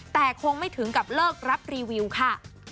แต่คงไม่ถึงกับเลิกรับรีวิวค่ะ